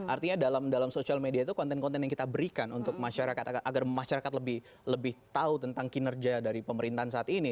artinya dalam sosial media itu konten konten yang kita berikan untuk masyarakat agar masyarakat lebih tahu tentang kinerja dari pemerintahan saat ini